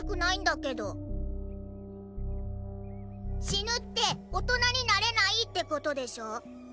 死ぬって大人になれないってことでしょ？